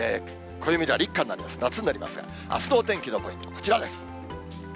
暦では立夏になります、夏になりますが、あすのお天気のポイント、こちらです。